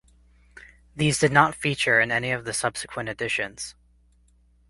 These did not feature in any of the subsequent editions.